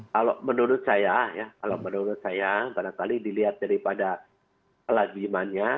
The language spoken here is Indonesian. karena kalau menurut saya pada kali dilihat daripada pelajimannya